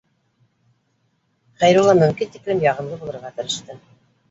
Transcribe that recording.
Хәйрулла мөмкин тиклем яғымлы булырға тырышты